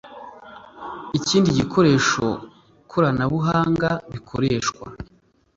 ikindi gikoresho koranabuhanga bikoreshwa